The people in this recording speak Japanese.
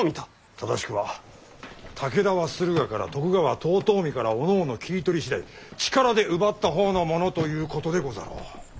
正しくは武田は駿河から徳川は遠江からおのおの切り取り次第力で奪った方のものということでござろう。